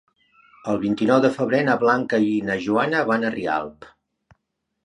El vint-i-nou de febrer na Blanca i na Joana van a Rialp.